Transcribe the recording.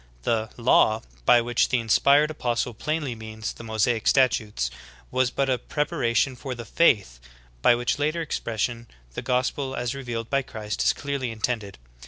" The "law," by which the inspired apostle plainly means the Mosaic statutes, was but a prep aration for the 'Taith," by which latter expression the gos pel as revealed by Christ is clearly intended.